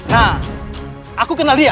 nah aku kenal dia